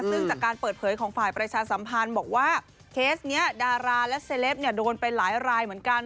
ซึ่งจากการเปิดเผยของฝ่ายประชาสัมพันธ์บอกว่าเคสนี้ดาราและเซลปโดนไปหลายรายเหมือนกัน